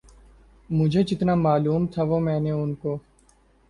مجھے جتنا معلوم تھا وہ میں نے ان کو